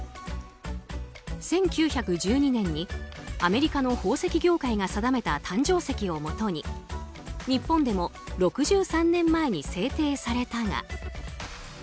１９１２年にアメリカの宝石業界が定めた誕生石をもとに日本でも６３年前に制定されたが。